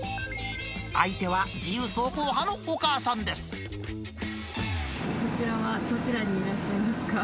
相手は、自由走行派のお母さんで今、そちらはどちらにいらっしゃいますか？